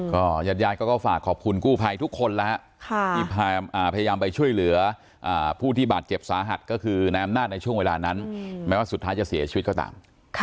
ก็ญาติก็ฝากขอบคุณกู้ภัยทุกคนแล้วฮะที่พยายามไปช่วยเหลือผู้ที่บาดเจ็บสาหัสก็คือนายอำนาจในช่วงเวลานั้นแม้ว่าสุดท้ายจะเสียชีวิตก็ตาม